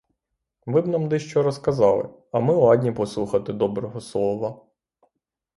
Ви б нам дещо розказали, а ми ладні послухати доброго слова.